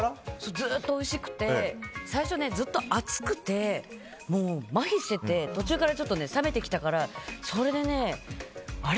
ずっとおいしくて最初ずっと熱くてもうまひしてて途中から冷めてきたからそれであれ？